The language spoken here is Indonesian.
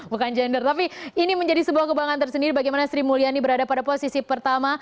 bukan gender tapi ini menjadi sebuah kebanggaan tersendiri bagaimana sri mulyani berada pada posisi pertama